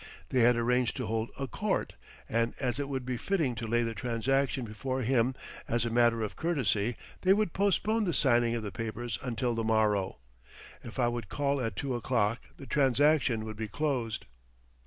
They had arranged to hold a "court," and as it would be fitting to lay the transaction before him as a matter of courtesy they would postpone the signing of the papers until the morrow. If I would call at two o'clock the transaction would be closed.